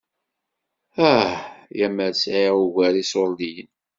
Ah ya mer sɛiɣ ugar iṣuṛdiyen!